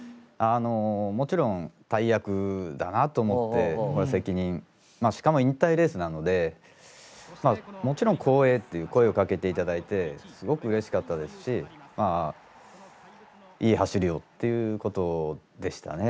あのもちろん大役だなと思って責任しかも引退レースなのでまあもちろん光栄っていう声をかけて頂いてすごくうれしかったですしいい走りをっていうことでしたね。